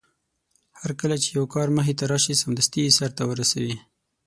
هرکله چې يو کار مخې ته راشي سمدستي يې سرته ورسوي.